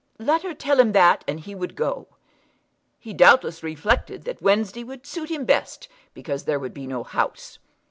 Let her tell him that and he would go. He doubtless reflected that Wednesday would suit him best, because there would be no House.